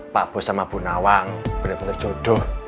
pak bos sama punawang benar benar jodoh